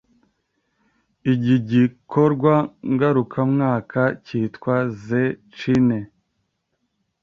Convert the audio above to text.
igigikorwa ngarukamwaka cyitwa Zee Cine